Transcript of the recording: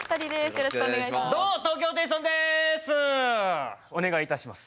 よろしくお願いします。